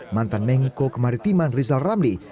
mantan mengko kemaritiman rizal ramli